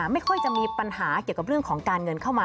ไม่ค่อยจะมีปัญหาเกี่ยวกับเรื่องของการเงินเข้ามา